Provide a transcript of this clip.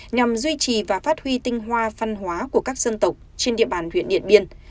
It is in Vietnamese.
nhằm duy trì và phát huy tinh hoa văn hóa của các dân tộc trên địa bàn huyện điện biên